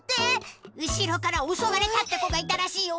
うしろからおそわれたってこがいたらしいよ。